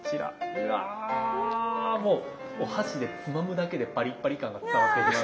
うわもうお箸でつまむだけでパリパリ感が伝わってきます。